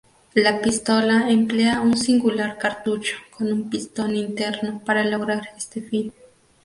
La pistola emplea un singular cartucho con un pistón interno para lograr este fin.